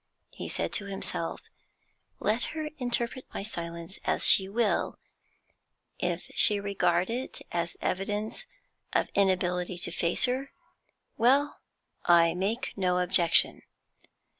He said to himself: Let her interpret my silence as she will; if she regard it as evidence of inability to face her well, I make no objection.